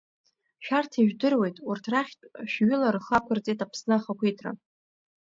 Шәарҭ ижәдыруеит, урҭ рахьтә шәҩыла рхы ақәрҵеит Аԥсны ахақәиҭра.